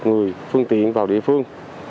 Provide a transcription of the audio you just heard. người phương tiện vào địa phương